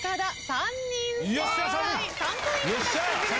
３ポイント獲得です。